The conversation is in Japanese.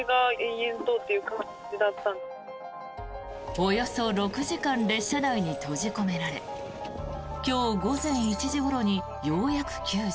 およそ６時間列車内に閉じ込められ今日午前１時ごろにようやく救助。